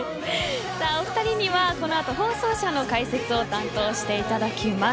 お二人にはこの後放送者の解説を担当していただきます。